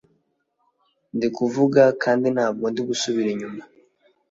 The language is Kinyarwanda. ndi kuvuga kandi ntabwo ndi gusubira inyuma,